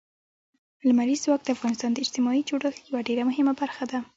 لمریز ځواک د افغانستان د اجتماعي جوړښت یوه ډېره مهمه برخه ده.